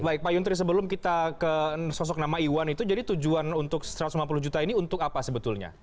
baik pak yuntri sebelum kita ke sosok nama iwan itu jadi tujuan untuk satu ratus lima puluh juta ini untuk apa sebetulnya